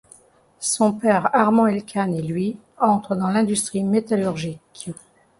Son père Armand Elkann et lui entrent dans l'industrie métallurgique.